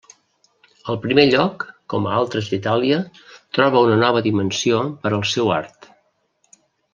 Al primer lloc, com a altres d’Itàlia, troba una nova dimensió per al seu art.